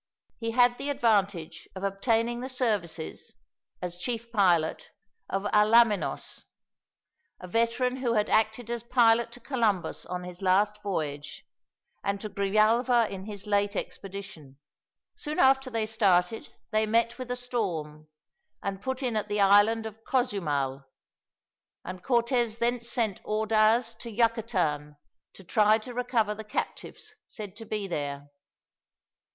He had the advantage of obtaining the services, as chief pilot, of Alaminos, a veteran who had acted as pilot to Columbus on his last voyage, and to Grijalva in his late expedition. Soon after they started they met with a storm, and put in at the island of Cozumal; and Cortez thence sent Ordaz to Yucatan, to try to recover the captives said to be there.